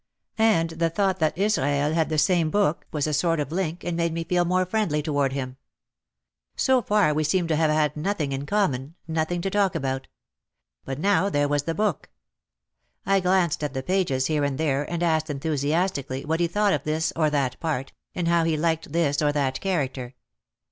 And the thought that Israel had read the same book was a sort of link and made me feel more friendly toward him. So far we seemed to have had nothing in common, noth ing to talk about. But now there was the book. I glanced at the pages here and there and asked enthusiastically what he thought of this or that part, and how he liked this or that character.